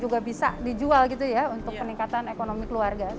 juga bisa dijual gitu ya untuk peningkatan ekonomi keluarga